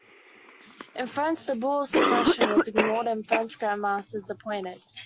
In France, the Bull of suppression was ignored and French Grand Masters appointed.